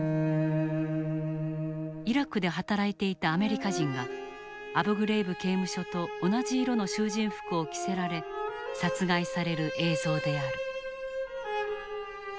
イラクで働いていたアメリカ人がアブグレイブ刑務所と同じ色の囚人服を着せられ殺害される映像である。